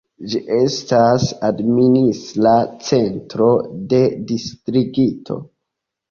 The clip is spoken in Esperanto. Ĝi estas administra centro de distrikto.